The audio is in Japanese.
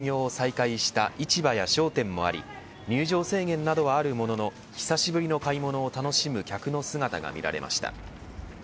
街では早速、今日から営業を再開した市場や商店もあり入場制限はあるものの久しぶりの買い物を楽しむ客の姿が見られました。